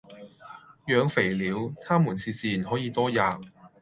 養肥了，他們是自然可以多喫；